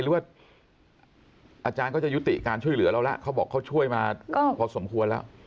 หรือว่าอาจารย์ก็จะยุติการช่วยเหลือเราแล้วเขาบอกเขาช่วยมาพอสมควรแล้ว